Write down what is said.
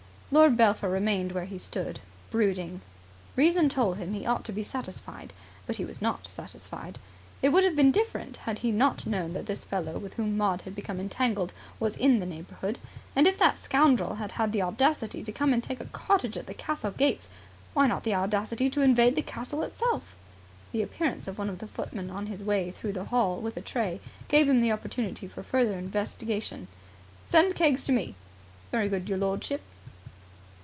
Lord Belpher remained where he stood, brooding. Reason told him he ought to be satisfied, but he was not satisfied. It would have been different had he not known that this fellow with whom Maud had become entangled was in the neighbourhood. And if that scoundrel had had the audacity to come and take a cottage at the castle gates, why not the audacity to invade the castle itself? The appearance of one of the footmen, on his way through the hall with a tray, gave him the opportunity for further investigation. "Send Keggs to me!" "Very good, your lordship."